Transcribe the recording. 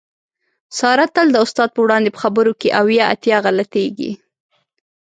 ساره تل د استاد په وړاندې په خبرو کې اویا اتیا غلطېږي.